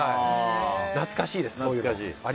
懐かしいです。